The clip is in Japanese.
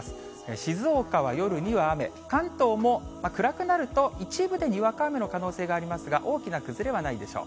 静岡は夜には雨、関東も暗くなると一部でにわか雨の可能性がありますが、大きな崩れはないでしょう。